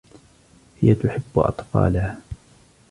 هي تحبّ أطفالها.